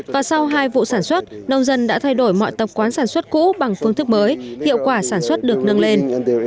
và sau hai vụ sản xuất nông dân đã thay đổi mọi tập quán sản xuất cũ bằng phương thức mới hiệu quả sản xuất được nâng lên